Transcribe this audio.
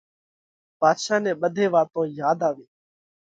ڀاڌشا نئہ ٻڌي واتون ياڌ آوي